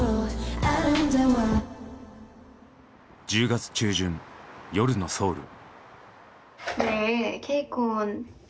１０月中旬夜のソウル。